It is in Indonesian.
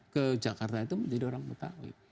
ke jakarta itu menjadi orang betawi